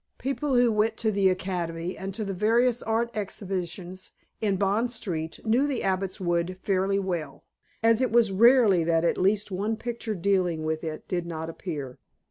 People who went to the Academy and to the various art exhibitions in Bond Street knew the Abbot's Wood fairly well, as it was rarely that at least one picture dealing with it did not appear.